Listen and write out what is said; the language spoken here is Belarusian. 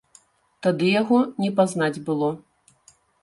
Тады яго не пазнаць было.